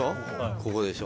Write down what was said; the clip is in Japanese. ここでしょ？